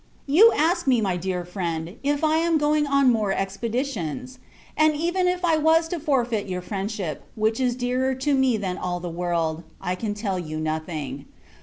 You ask me, my dear friend, if I am going on more expeditions? And, even if I was to forfeit your friendship, which is dearer to me than all the world, I can tell you nothing.